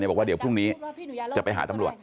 บอกว่าเดี๋ยวพรุ่งนี้จะไปหาตำรวจ